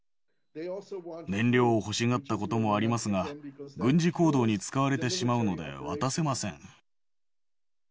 燃料を欲しがったこともありますが、軍事行動に使われてしまうので渡せません。